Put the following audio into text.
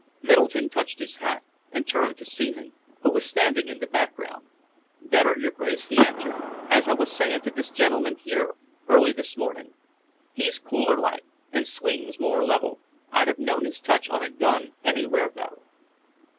Middleton touched his hat and turned to Seaman, who was standing in the background. "Better, your Grace," he answered, "as I was saying to this gentleman here, early this morning. He's cooler like and swings more level. I'd have known his touch on a gun anywhere, though."